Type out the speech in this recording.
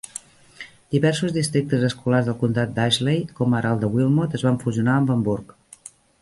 Diversos districtes escolars del comtat d'Ashley, com ara el de Wilmot, es van fusionar amb Hamburg